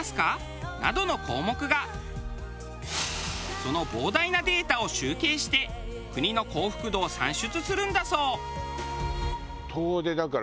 その膨大なデータを集計して国の幸福度を算出するんだそう。